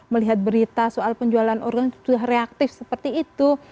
melihat berita soal penjualan organ sudah reaktif seperti itu